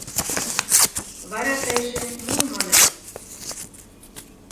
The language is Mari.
Вара тыйже мом манат?